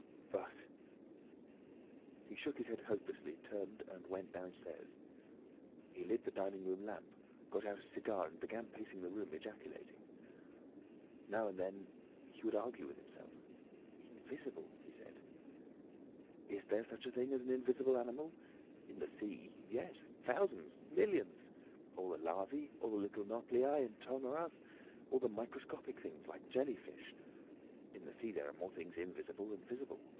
"But—" He shook his head hopelessly, turned, and went downstairs. He lit the dining room lamp, got out a cigar, and began pacing the room, ejaculating. Now and then he would argue with himself. "Invisible!" he said. "Is there such a thing as an invisible animal? ... In the sea, yes. Thousands—millions. All the larvae, all the little nauplii and tornarias, all the microscopic things, the jelly fish. In the sea there are more things invisible than visible!